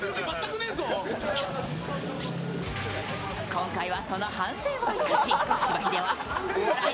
今回はその反省を生かししばひではお笑い